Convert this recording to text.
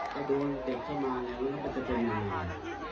ถ้าโดนเด็กเข้ามาแหละนกาจะจริงน้า